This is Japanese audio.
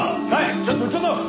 ちょっとちょっと！